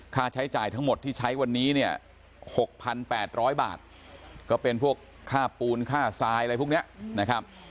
ค่าใช้จ่ายทั้งหมดที่ใช้วันนี้เนี่ย๖๘๐๐บาทก็เป็นพวกค่าปูนค่าทรายอะไรพวกนี้นะครับ